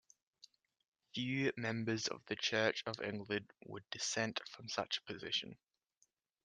Few members of the Church of England would dissent from such a position.